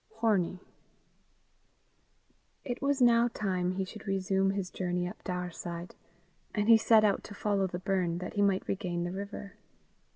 HORNIE. It was now time he should resume his journey up Daurside, and he set out to follow the burn that he might regain the river.